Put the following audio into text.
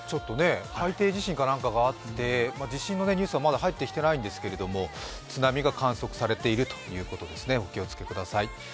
海底地震なんかがあって、地震のニュースはまだ入ってきていないんですけれども、津波が観測されているということですね、お気をつけください。